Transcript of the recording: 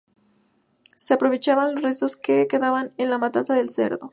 Se aprovechaban los restos que quedaban de la matanza del cerdo.